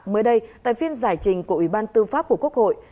mới đây tại phiên giải trình của ủy ban tư pháp của quốc hội